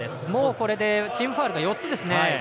これでチームファウルが４つです。